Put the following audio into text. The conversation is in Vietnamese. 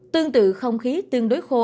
tương tự không khí tương đối khô